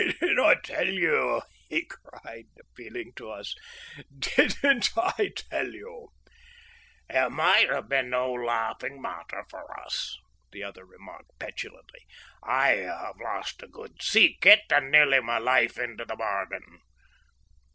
"Didn't I tell you?" he cried, appealing to us. "Didn't I tell you?" "It might have been no laughing matter for us," the other remarked petulantly. "I have lost a good sea kit and nearly my life into the bargain."